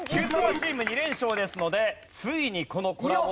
チーム２連勝ですのでついにこのコラボ